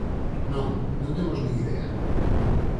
Non, non temos nin idea.